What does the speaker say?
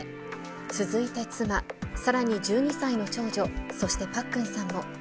続いて妻、さらに１２歳の長女、そしてパックンさんも。